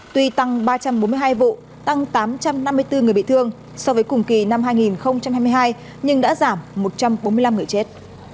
tuy tăng ba trăm bốn mươi hai vụ tăng tám trăm năm mươi bốn người bị thương so với cùng kỳ năm hai nghìn hai mươi hai nhưng đã giảm một trăm bốn mươi năm người chết